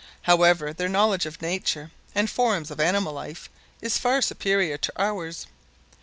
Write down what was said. However their knowledge of nature and forms of animal life is far superior to ours.